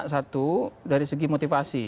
satu dari segi motivasi